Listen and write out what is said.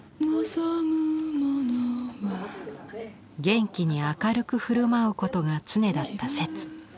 元気に明るく振る舞うことが常だった摂。